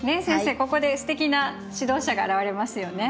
ここですてきな指導者が現れますよね。